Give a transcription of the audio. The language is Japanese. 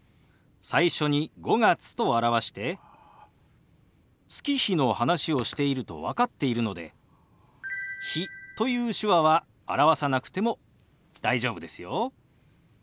最初に「５月」と表して月日の話をしていると分かっているので「日」という手話は表さなくても大丈夫ですよ。